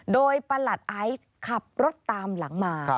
โดยประหลัดไอซ์ขับรถตามหลังมา